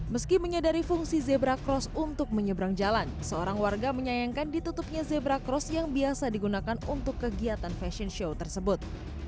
meski menyadari fungsi zebra cross untuk menyeberang jalan seorang warga menyayangkan ditutupnya zebra cross yang biasa digunakan untuk kegiatan fashion show tersebut